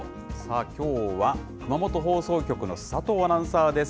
きょうは、熊本放送局の佐藤アナウンサーです。